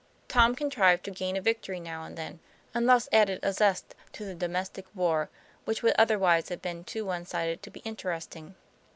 Tom contrived to gain a victory now and then, and thus added a zest to the domestic war, which would otherwise have been too one sided to be interesting.